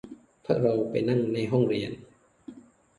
พวกเราไปนั่งในห้องเรียน